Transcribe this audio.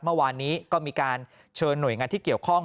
เมื่อวานนี้ก็มีการเชิญหน่วยงานที่เกี่ยวข้อง